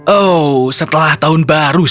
oh setelah tahun baru